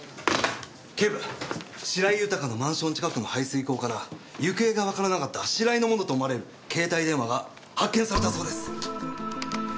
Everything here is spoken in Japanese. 警部白井豊のマンション近くの排水溝から行方がわからなかった白井のものと思われる携帯電話が発見されたそうです。